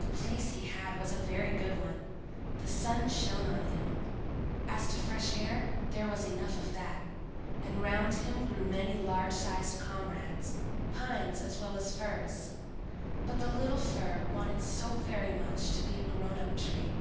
The place he had was a very good one; the sun shone on him; as to fresh air, there was enough of that, and round him grew many large sized comrades, pines as well as firs. But the little Fir wanted so very much to be a grown up tree.